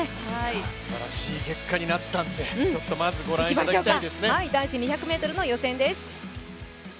すばらしい結果になったので、まずはご覧いただきたいですね。